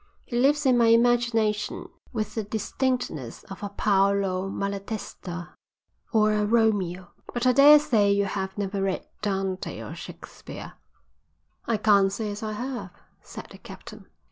He lives in my imagination with the distinctness of a Paolo Malatesta or a Romeo. But I daresay you have never read Dante or Shakespeare?" "I can't say as I have," said the captain.